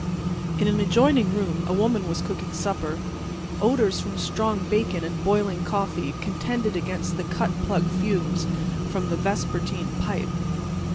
In an adjoining room a woman was cooking supper. Odors from strong bacon and boiling coffee contended against the cut plug fumes from the vespertine pipe.